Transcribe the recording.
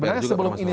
sebenarnya sebelum ini